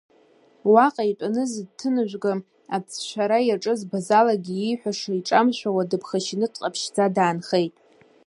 Уаҟа итәаны зҭаҭыныжәга ацәцәара иаҿыз Базалагьы, ииҳәаша иҿамшәауа, дыԥхашьаны дҟаԥшьӡа даанхеит.